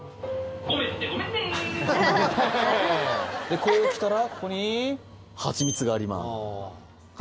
ここへ来たらここにハチミツがあります。